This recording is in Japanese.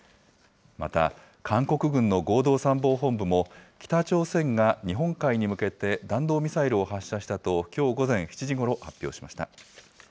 また、韓国軍の合同参謀本部も、北朝鮮が日本海に向けて弾道ミサイルを発射したと、きょう午前７時ごろ、発表しました。